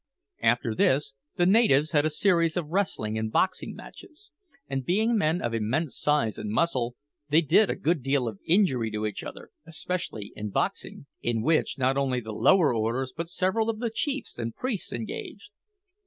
After this the natives had a series of wrestling and boxing matches; and being men of immense size and muscle, they did a good deal of injury to each other, especially in boxing, in which not only the lower orders but several of the chiefs and priests engaged.